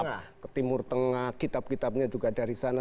kita ke timur tengah kitab kitabnya juga dari sana